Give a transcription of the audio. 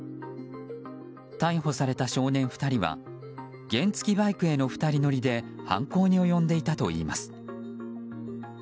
逮捕された少年２人は原付きバイクへの２人乗りで犯行に及んでいたといいます。